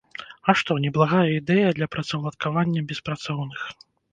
А што, неблагая ідэя для працаўладкавання беспрацоўных!